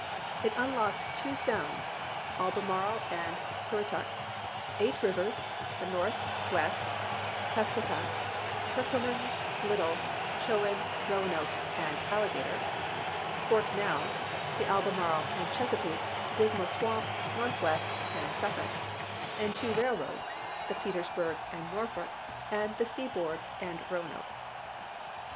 " It unlocked two sounds (Albemarle and Currituck), eight rivers (the North, West, Pasquotank, Perqui mans, Little, Chowan, Roanoke, and Alligator), four canals (the Albemarle and Chesapeake, Dismal Swamp, Northwest, and Suffolk), and two railroads (the Petersburg and Norfolk, and the Seaboard and 24G ABKAHAM LINCOLN cn.vr. xTv. Roanoke).